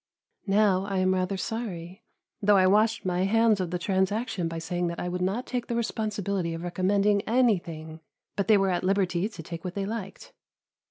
Now I am rather sorry, though I washed my hands of the transaction by saying that I would not take the responsibility of recommending anything, but they were at liberty to take what they liked.